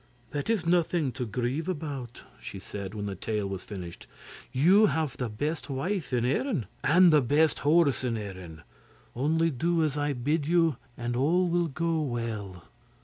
'That is nothing to grieve about,' she said when the tale was finished. 'You have the best wife in Erin, and the best horse in Erin. Only do as I bid you, and all will go well.